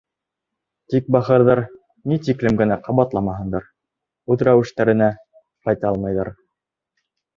Тик бахырҙар, ни тиклем генә ҡабатламаһындар, үҙ рәүештәренә ҡайта алмайҙар.